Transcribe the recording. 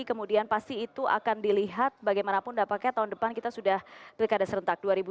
kemudian pasti itu akan dilihat bagaimanapun dapatnya tahun depan kita sudah pilkada serentak dua ribu dua puluh